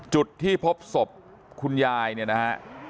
จุดที่พบศพคุณยายเนี่ยนะฮะ